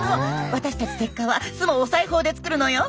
私たちセッカは巣もお裁縫で作るのよ。